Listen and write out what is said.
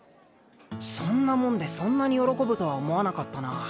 そんなモンでそんなに喜ぶとは思わなかったなァ。